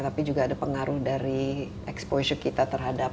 tapi juga ada pengaruh dari exposure kita terhadap